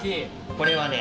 これはね